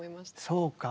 そうか。